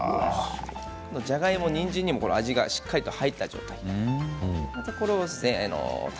じゃがいもにんじんにもしっかり味が入った状態